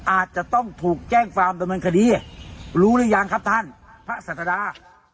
อาจจะต้องถูกแจ้งความดำเนินคดีรู้หรือยังครับท่านพระศาสดา